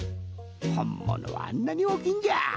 ほんものはあんなにおおきいんじゃ。